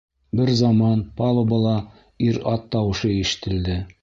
Бер заман палубала ир-ат тауышы ишетелде.